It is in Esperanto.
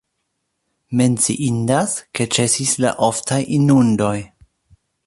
Menciindas, ke ĉesis la oftaj inundoj.